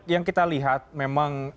yang kita lihat memang